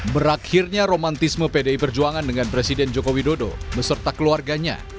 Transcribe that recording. bisa berarti cuma restu ya